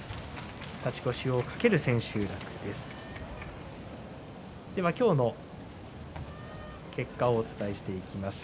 勝ち越しを懸ける千秋楽となります。